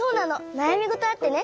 なやみごとあってね。